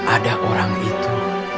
ada orang itu